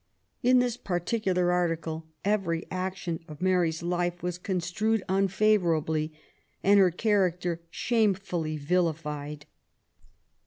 In this particular article every action of Mary*s life was construed unfavourably, and her cha racter shamefully vilified.